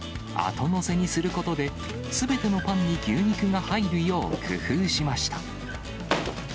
後載せにすることで、すべてのパンに牛肉が入るよう工夫しました。